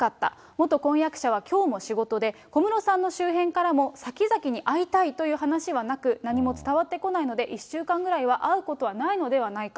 元婚約者はきょうも仕事で、小室さんの周辺からも先々に会いたいという話はなく、何も伝わってこないので、１週間ぐらいは会うことはないのではないか。